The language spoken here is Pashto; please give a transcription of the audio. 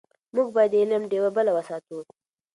موږ باید د علم ډېوه بله وساتو.